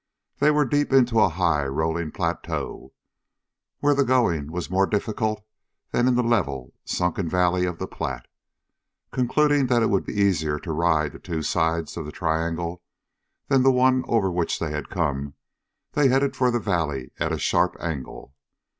They were deep into a high rolling plateau where the going was more difficult than in the level sunken valley of the Platte. Concluding that it would be easier to ride the two sides of the triangle than the one over which they had come out, they headed for the valley at a sharp angle.